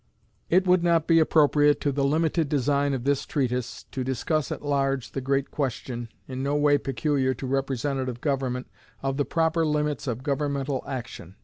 It would not be appropriate to the limited design of this treatise to discuss at large the great question, in no way peculiar to representative government, of the proper limits of governmental action.